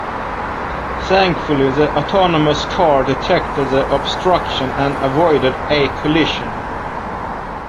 Thankfully the autonomous car detected the obstruction and avoided a collision.